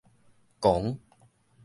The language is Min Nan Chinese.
狂